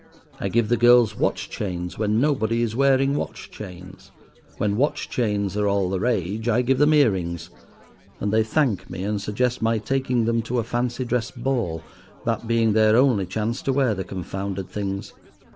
I give the girls watch chains when nobody is wearing watch chains. When watch chains are all the rage I give them ear rings, and they thank me, and suggest my taking them to a fancy dress ball, that being their only chance to wear the confounded things.